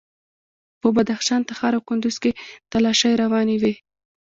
په بدخشان، تخار او کندوز کې تالاشۍ روانې وې.